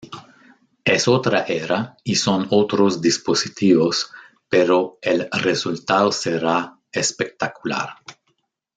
Es otra era y son otros dispositivos, pero el resultado será espectacular.